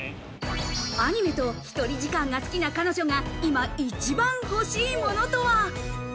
アニメとひとり時間が好きな彼女が今一番欲しいものとは？